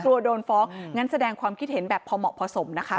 กลัวโดนฟ้องงั้นแสดงความคิดเห็นแบบพอเหมาะพอสมนะคะ